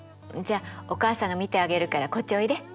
じゃあお母さんが見てあげるからこっちおいで！